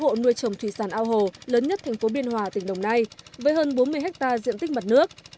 hộ nuôi trồng thủy sản ao hồ lớn nhất thành phố biên hòa tỉnh đồng nai với hơn bốn mươi hectare diện tích mặt nước